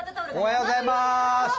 おはようございます！